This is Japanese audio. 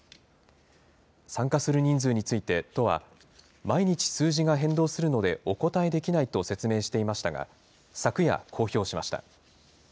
参加する人数について都は、毎日数字が変動するのでお答えできないと説明していましたが、昨夜公表しました。